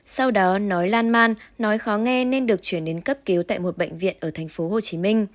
sau đó nói lan man nói khó nghe nên được chuyển đến cấp cứu tại một bệnh viện ở tp hcm